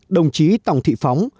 đồng chí tòng thị phóng